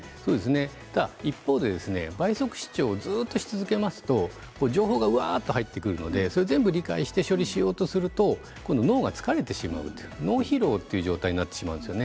ただ一方で倍速視聴をずっとし続けますと情報がうわーと入ってくるのでそれを全部、理解して処理しようとすると今度、脳が疲れてしまう脳疲労という状態になってしまうんですね。